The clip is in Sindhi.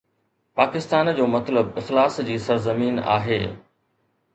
پاڪستان جو مطلب اخلاص جي سرزمين آهي